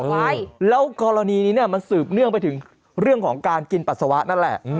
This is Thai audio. ไว้แล้วกรณีนี้เนี่ยมันสืบเนื่องไปถึงเรื่องของการกินปัสสาวะนั่นแหละ